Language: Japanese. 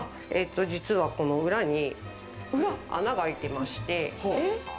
実は、この裏に穴が空いてまして。